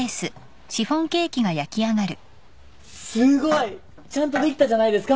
すごい！ちゃんとできたじゃないですか。